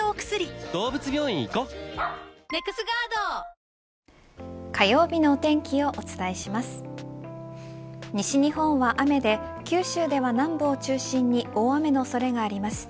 西日本は雨で九州では南部を中心に大雨の恐れがあります。